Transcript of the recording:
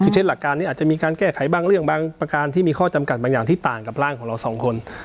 คือเช่นหลักการนี้อาจจะมีการแก้ไขบางเรื่องบางประการที่มีข้อจำกัดบางอย่างที่ต่างกับร่างของเราสองคน